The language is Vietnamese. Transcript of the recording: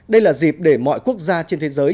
đây là dịp để mọi quốc gia trên thế giới